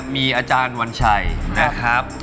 มีอาจารย์วัญชัยนะครับ